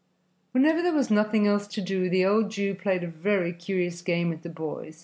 Whenever there was nothing else to do, the old Jew played a very curious game with the boys.